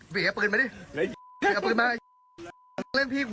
เดี๋ยวอะไรบ้าง